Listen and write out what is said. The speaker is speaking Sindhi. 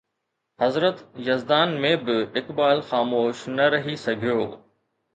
حضرت يزدان ۾ به اقبال خاموش نه رهي سگهيو